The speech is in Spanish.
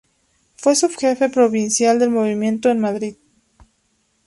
Fue subjefe provincial del Movimiento en Madrid.